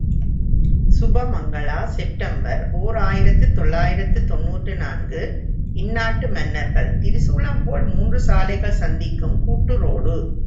Subhamangala, September ஓர் ஆயிரத்து தொள்ளாயிரத்து தொன்னூற்று நான்கு இந்நாட்டு மன்னர்கள் திரிசூலம்போல், மூன்று சாலைகள் சந்திக்கும் கூட்டுரோடு.